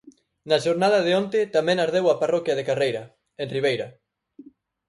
Na xornada de onte tamén ardeu a parroquia de Carreira, en Ribeira.